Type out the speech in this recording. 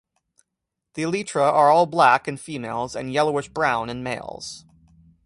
The elytra are all black in females and yellowish brown in males.